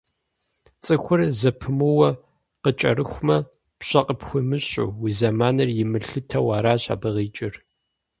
Цӏыхур зэпымыууэ къыкӏэрыхумэ, пщӏэ къыпхуимыщӏу, уи зэманыр имылъытэу аращ абы къикӏыр.